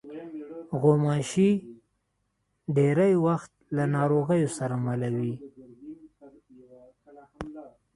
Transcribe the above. غوماشې ډېری وخت له ناروغیو سره مله وي.